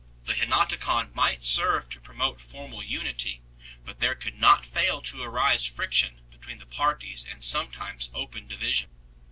The Henoticon might serve to promote formal unity, but there could not fail to arise friction between the parties and sometimes open division.